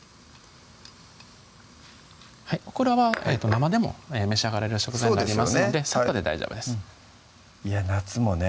オクラは生でも召し上がれる食材になりますのでさっとで大丈夫です夏もね